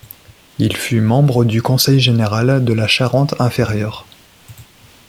Il fut membre du Conseil général de la Charente-Inférieure.